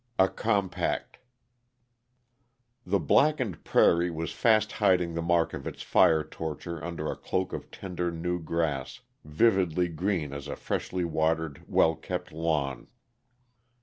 A COMPACT The blackened prairie was fast hiding the mark of its fire torture under a cloak of tender new grass, vividly green as a freshly watered, well kept lawn.